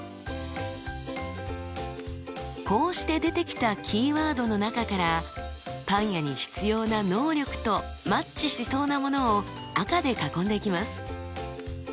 こうして出てきたキーワードの中からパン屋に必要な能力とマッチしそうなものを赤で囲んでいきます。